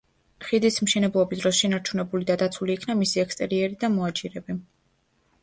ხიდის მშენებლობის დროს, შენარჩუნებული და დაცული იქნა მისი ექსტერიერი და მოაჯირები.